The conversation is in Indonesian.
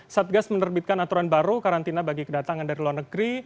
satgas menerbitkan aturan baru karantina bagi kedatangan dari luar negeri